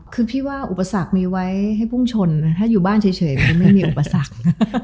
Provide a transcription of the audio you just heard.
คือพี่ว่าอุปสรรคมีไว้ให้พุ่งชนถ้าอยู่บ้านเฉยมันไม่มีอุปสรรค